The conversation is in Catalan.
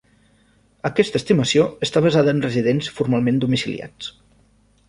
Aquesta estimació està basada en residents formalment domiciliats.